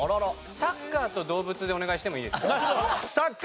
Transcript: サッカーと動物でお願いしてもいいですか？